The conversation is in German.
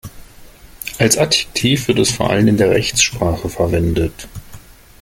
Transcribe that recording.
Als Adjektiv wird es vor allem in der Rechtssprache verwendet.